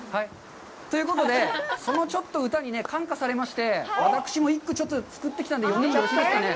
ということで、そのちょっと歌に感化されまして、私も、一句、ちょっと作ってきたので詠んでもよろしいですかね？